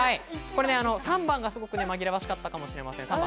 ３番がすごく紛らわしかったのかもしれません。